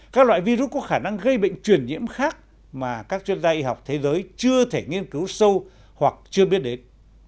các loại virus có khả năng gây bệnh truyền nhiễm khác mà các chuyên gia y học thế giới chưa thể nghiên cứu sâu hoặc chưa biết đến